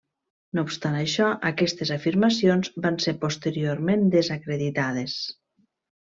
No obstant això, aquestes afirmacions van ser posteriorment desacreditades.